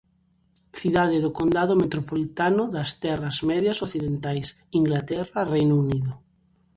Cidade do condado metropolitano das Terras Medias Occidentais, Inglaterra, Reino Unido.